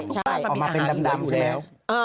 ใช่ออกมาเป็นดำอยู่แล้ว